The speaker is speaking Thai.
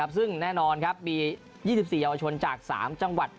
ซึ่งแน่นอนมี๒๔เยาวชนจาก๓จังหวัด